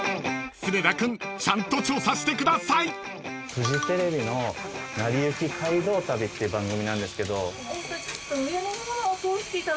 フジテレビの『なりゆき街道旅』って番組なんですけど。